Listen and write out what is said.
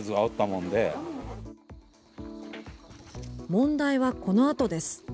問題はこのあとです。